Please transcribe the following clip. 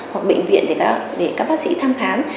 hoặc bệnh viện để các bác sĩ thăm khám